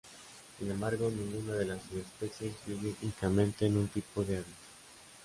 Sin embargo, ninguna de las subespecies vive únicamente en un tipo de hábitat.